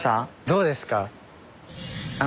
どうですか？